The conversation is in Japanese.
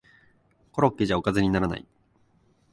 コロッケじゃおかずにならない